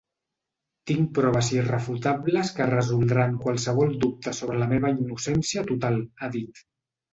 “Tinc proves irrefutables que resoldran qualsevol dubte sobre la meva innocència total”, ha dit.